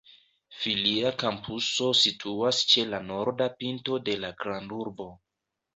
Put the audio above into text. Filia kampuso situas ĉe la norda pinto de la grandurbo.